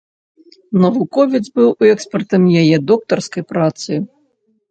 Навуковец быў экспертам яе доктарскай працы.